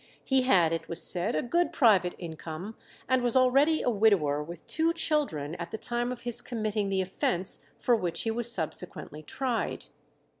He had, it was said, a good private income, and was already a widower with two children at the time of his committing the offence for which he was subsequently tried.